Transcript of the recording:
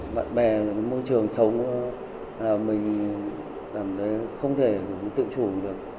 bạn bè môi trường sống mình cảm thấy không thể tự chủ được